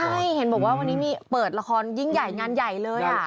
ใช่เห็นบอกว่าวันนี้มีเปิดละครยิ่งใหญ่งานใหญ่เลย